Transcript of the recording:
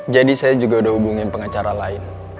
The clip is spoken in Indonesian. jadi saya juga udah hubungi pengacara lain